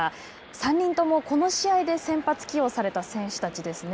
３人ともこの試合で先発起用された選手たちですね。